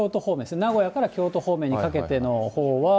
名古屋から京都方面にかけてのほうは。